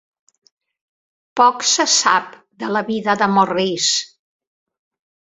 Poc se sap de la vida de Morrice.